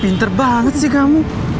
pinter banget sih kamu